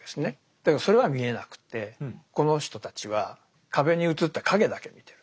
だけどそれは見えなくてこの人たちは壁に映った影だけ見てる。